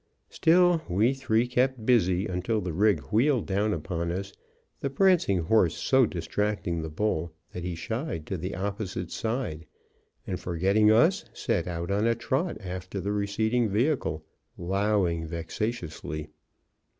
Still we three kept busy, until the rig wheeled down upon us, the prancing horse so distracting the bull that he shied to the opposite side, and, forgetting us, set out on a trot after the receding vehicle, lowing vexatiously.